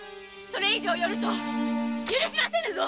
それ以上寄ると許しませぬぞ！